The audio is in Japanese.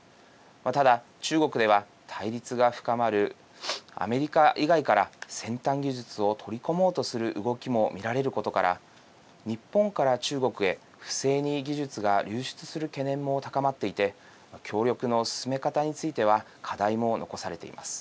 ただ、中国では対立が深まるアメリカ以外から先端技術を取り込もうとする動きも見られることから日本から中国へ不正に技術が流出する懸念も高まっていて協力の進め方については課題も残されています。